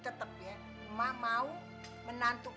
lo tuh kudu bisa manfaatin